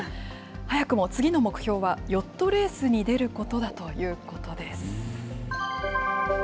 早くも次の目標は、ヨットレースに出ることだということです。